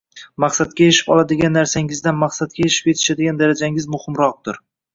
Maqsadga erishib oladigan narsangizdan maqsadga erishib yetishadigan darajangiz muhimroqdir